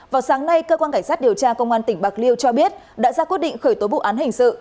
vào sáng nay cơ quan cảnh sát điều tra công an tỉnh bạc liêu cho biết đã ra quyết định khởi tố vụ án hình sự